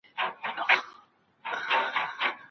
پریږړه ستاسې په لاس کې ده.